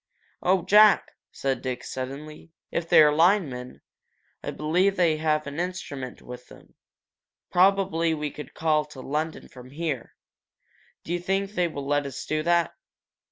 "Oh, Jack!" said Dick, suddenly. 'If they're linemen, I believe they have an instrument with them. Probably we could call to London from here. Do you think they will let us do that?"